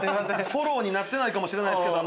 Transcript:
フォローになってないかもしれないですけど。